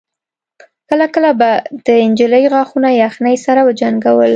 کله کله به د نجلۍ غاښونه يخنۍ سره وجنګول.